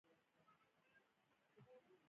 کارګر باید څنګه وي؟